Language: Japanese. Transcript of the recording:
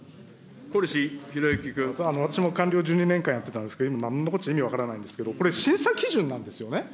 私も官僚１２年間やってたんですけど、なんのこっちゃ意味分からないんですけど、これ、審査基準なんですよね。